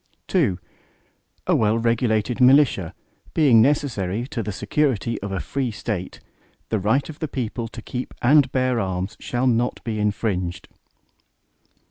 II A well regulated militia, being necessary to the security of a free State, the right of the people to keep and bear arms, shall not be infringed.